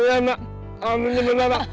ini kena mata ya